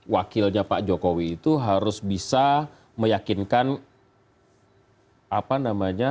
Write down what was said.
wakilnya pak jokowi itu harus bisa meyakinkan